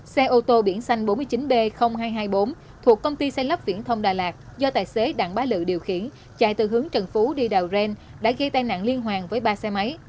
xe ô tô biển xanh bốn mươi chín b hai trăm hai mươi bốn thuộc công ty xây lắp viễn thông đà lạt do tài xế đặng bá lự điều khiển chạy từ hướng trần phú đi đào ren đã gây tai nạn liên hoàn với ba xe máy